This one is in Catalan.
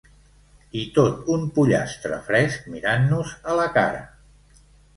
I tot un pollastre fresc mirant-nos a la cara.